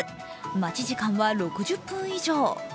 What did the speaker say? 待ち時間は６０分以上。